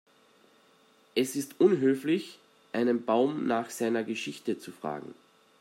Es ist unhöflich, einen Baum nach seiner Geschichte zu fragen.